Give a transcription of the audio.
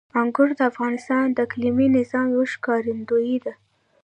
انګور د افغانستان د اقلیمي نظام یوه ښکارندوی ده.